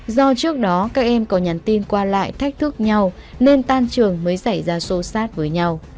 do trước đó các em có nhắn tin qua lại thách thức nhau nên tan trường mới xảy ra sô sát với nhau